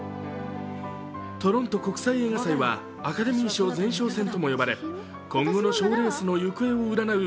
トロント国際映画祭はアカデミー賞前哨戦とも言われ今後の賞レースの行方を占う